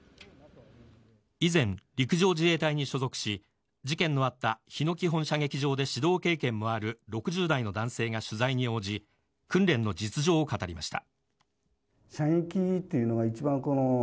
以前、陸上自衛隊に所属し事件のあった日野基本射撃場で指導経験もある６０代の男性が取材に応じ訓練の実情を語りました。